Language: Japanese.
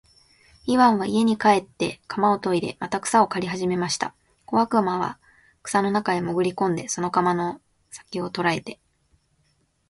イワンは家へ帰って鎌をといでまた草を刈りはじめました。小悪魔は草の中へもぐり込んで、その鎌の先きを捉えて、